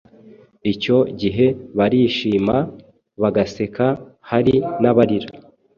Icyo gihe barishima, bagaseka , hari n’abarira